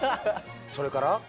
それから？